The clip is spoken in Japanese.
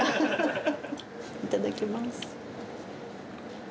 いただきます。